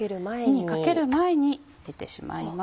火にかける前に入れてしまいます。